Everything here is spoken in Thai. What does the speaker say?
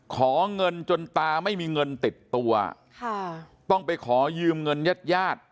ขอเงินจนตาไม่มีเงินติดตัวค่ะต้องไปขอยืมเงินญาติญาติ